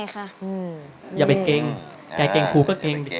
แกเก่งครูก็เก่ง